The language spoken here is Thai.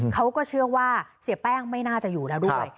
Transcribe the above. เขาก็เชื่อว่าเสียแป้งไม่น่าจะอยู่แล้วด้วย